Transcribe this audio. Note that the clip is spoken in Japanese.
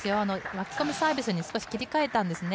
巻き込みサービスに切り替えたんですね。